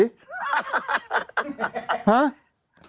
ฮะ